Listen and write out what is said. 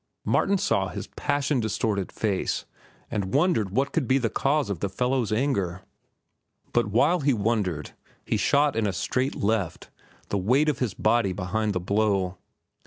Martin saw his passion distorted face and wondered what could be the cause of the fellow's anger. But while he wondered, he shot in a straight left, the weight of his body behind the blow.